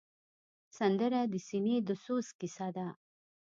سندره د سینې د سوز کیسه ده